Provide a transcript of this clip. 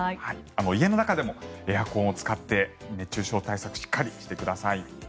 家の中でもエアコンを使って熱中症対策しっかりしてください。